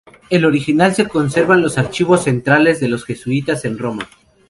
El original se conserva en los archivos centrales de los jesuitas en Roma.